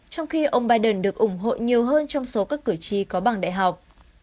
trong khi ông biden được ủng hộ nhiều hơn trong số các cử tri có bằng đại học